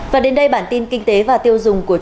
và đến đây bản tin kinh tế và tiêu dùng của chúng